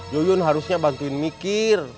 iyun harusnya bantuin mikir